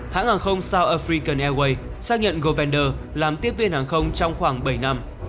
hãng hàng không south african airways xác nhận govender làm tiếp viên hàng không trong khoảng bảy năm